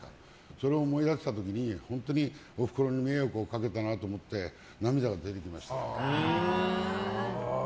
それを思い出した時に本当におふくろに迷惑かけたと思って涙が出ました。